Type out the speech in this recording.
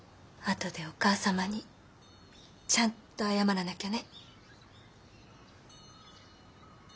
後でお母様にちゃんと謝らなきゃね。